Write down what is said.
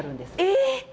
えっ！？